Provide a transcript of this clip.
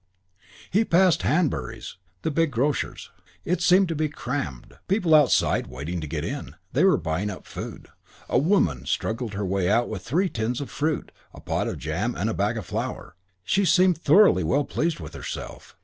He passed Hanbury's, the big grocer's. It seemed to be crammed. People outside waiting to get in. They were buying up food. A woman struggled her way out with three tins of fruit, a pot of jam and a bag of flour. She seemed thoroughly well pleased with herself.